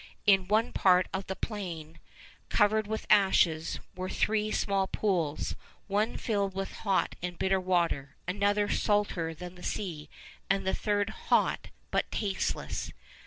In one part of the plain, covered with ashes, were three small pools, one filled with hot and bitter water, another salter than the sea, and a third hot, but tasteless.